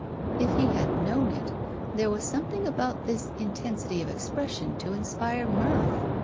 If he had known it, there was something about his intensity of expression to inspire mirth.